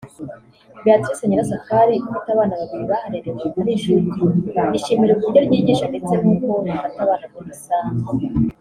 Beatrice Nyirasafari ufite abana babiri baharerewe ari incuke yishimira uburyo ryigisha ndetse n’uko rifata abana muri rusange